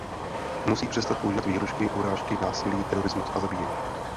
Musí přestat používat vyhrůžky, urážky, násilí, terorismus a zabíjení.